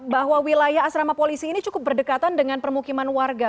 bahwa wilayah asrama polisi ini cukup berdekatan dengan permukiman warga